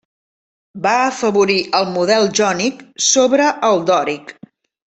Va afavorir el model jònic sobre el dòric.